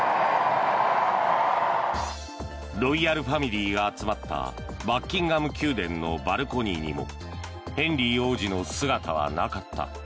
ロイヤルファミリーが集まったバッキンガム宮殿のバルコニーにもヘンリー王子の姿はなかった。